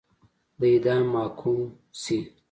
د اعدام محکوم شي.